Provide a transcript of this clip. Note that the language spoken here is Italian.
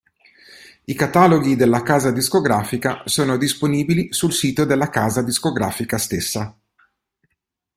I cataloghi della casa discografica sono disponibili sul sito della casa discografica stessa.